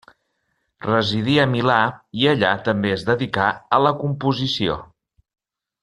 Residí a Milà i allà també es dedicà a la composició.